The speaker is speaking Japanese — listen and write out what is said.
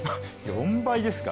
４倍ですか。